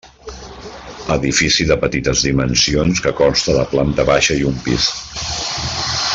Edifici de petites dimensions que consta de planta baixa i un pis.